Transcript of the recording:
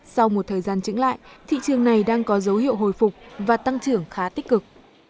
sau một thời gian trứng lại thị trường này đang có dấu hiệu hồi phục và tăng trưởng khá tích cực